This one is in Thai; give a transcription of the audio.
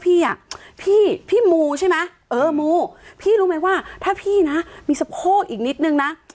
พี่อ่ะพี่พี่มูใช่ไหมเออมูพี่รู้ไหมว่าถ้าพี่นะมีสะโพกอีกนิดนึงนะ